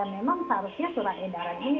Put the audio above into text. memang seharusnya surat edaran ini